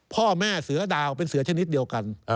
พ่อแม่เสือดาวเป็นเสือชนิดเดียวกัน